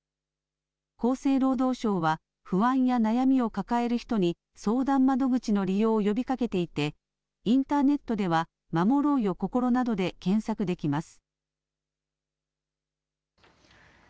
厚生労働省は不安や悩みを抱える人に相談窓口の利用を呼びかけていてインターネットでは、まもろうよこころなどで検索できます。